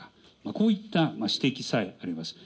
こういった指摘さえあります。